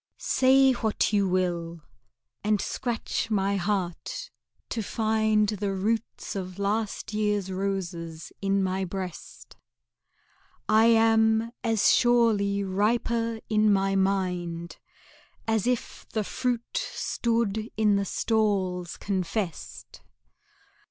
VIII Say what you will, and scratch my heart to find The roots of last year's roses in my breast; I am as surely riper in my mind As if the fruit stood in the stalls confessed.